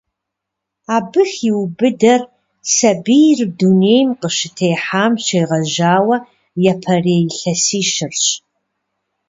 Абы хиубыдэр сабийр дунейм къыщытехьам щегъэжьауэ япэрей илъэсищырщ.